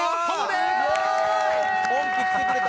「本家来てくれた。